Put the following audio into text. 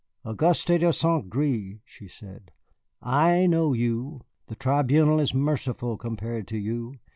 "Auguste de St. Gré," she said, "I know you. The Tribunal is merciful compared to you.